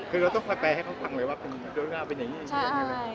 คือเราต้องแปลให้เขาทำไว้ว่าคุณโดรกาเป็นไหนอย่างนี้